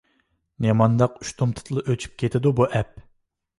نېمانداق ئۇشتۇمتۇتلا ئۆچۈپ كېتىدۇ بۇ ئەپ؟